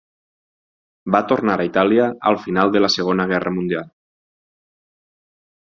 Va tornar a Itàlia al final de la Segona Guerra Mundial.